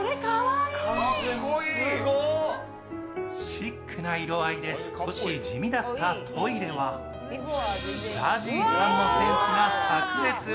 シックな色合いで少し地味だったトイレは、ＺＡＺＹさんのセンスが、さく裂。